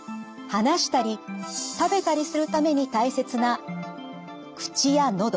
話したり食べたりするために大切な口や喉。